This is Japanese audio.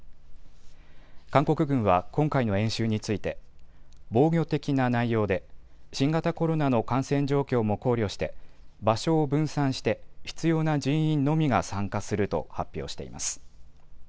韓国軍は今回の演習について、防御的な内容で新型コロナの感染状況も考慮して場所を分散して必要な人員のみが参加すると発表しています。